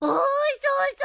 そうそう！